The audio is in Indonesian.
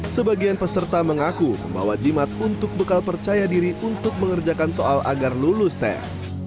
sebagian peserta mengaku membawa jimat untuk bekal percaya diri untuk mengerjakan soal agar lulus tes